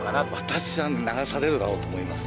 私は流されるだろうと思います。